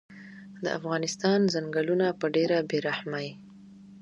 د افغانستان ځنګلونه په ډیره بیرحمۍ